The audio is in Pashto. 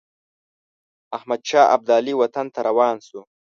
احمدشاه ابدالي وطن ته روان شو.